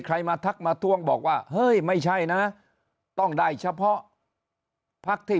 มาทักมาทวงบอกว่าเฮ้ยไม่ใช่นะต้องได้เฉพาะพักที่